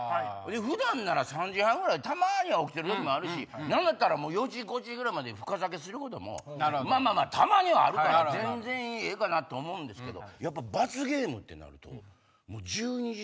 普段なら３時半ぐらいたまには起きてる時もあるし何だったら４時５時ぐらいまで深酒することもまぁまぁたまにはあるから全然ええかなと思うんですけど。